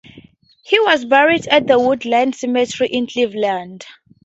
He was buried at the Woodland Cemetery in Cleveland.